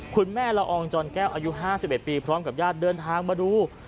ละอองจอนแก้วอายุ๕๑ปีพร้อมกับญาติเดินทางมาดู